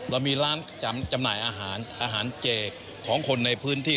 เรามีร้านจำหน่ายอาหารอาหารเจของคนในพื้นที่